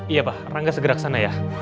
iya pak rangga segera kesana ya